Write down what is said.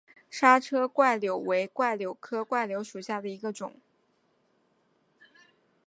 莎车柽柳为柽柳科柽柳属下的一个种。